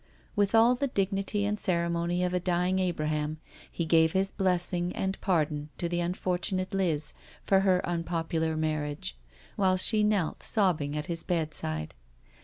With all the dignity and ceremony of a dying Abraham, he gave his blessing and pardon to the unfortunate Liz for her unpopular marriage, while she knelt sobbing at his bedside.